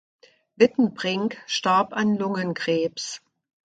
Wittenbrink starb an Lungenkrebs.